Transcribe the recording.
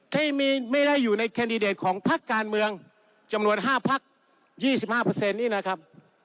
ได้มีไม่ได้อยู่ในแคนดิเดตของพักการเมืองจำนวนห้าพักยี่สิบห้าเปอร์เซ็นต์นี้นะครับ